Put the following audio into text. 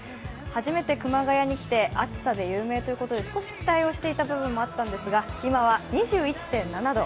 初めて熊谷に来て暑さで有名ということで少し期待をしていた部分もあったんですが、今は２１．７度。